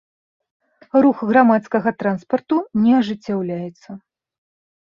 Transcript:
Рух грамадскага транспарту не ажыццяўляецца.